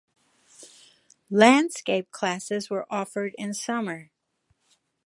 Landscape classes were offered in summer.